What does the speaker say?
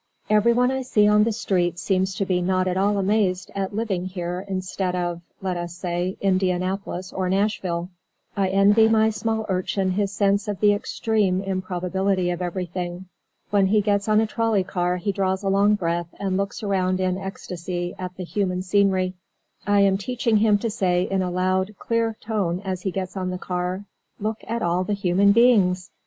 Everyone I see on the streets seems to be not at all amazed at living here instead of (let us say) Indianapolis or Nashville. I envy my small Urchin his sense of the extreme improbability of everything. When he gets on a trolley car he draws a long breath and looks around in ecstasy at the human scenery. I am teaching him to say in a loud, clear tone, as he gets on the car, "Look at all the human beings!"